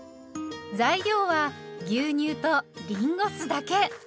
材料は牛乳とりんご酢だけ！